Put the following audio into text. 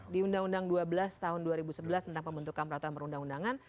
di undang undang dua belas tahun dua ribu sebelas tentang pembentukan peraturan perundang undangan